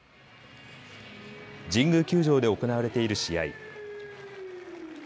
神宮球場で行われている試合。